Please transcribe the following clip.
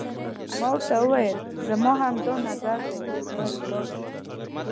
ما ورته وویل: زما هم همدا نظر دی، باید ولاړ شو.